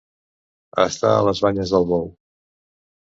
Estar a les banyes del bou.